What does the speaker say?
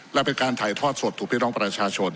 และเป็นการถ่ายทอดสดถูกพี่น้องประชาชน